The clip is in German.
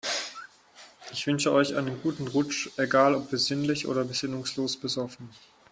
Ich wünsche euch einen guten Rutsch, egal ob besinnlich oder besinnungslos besoffen.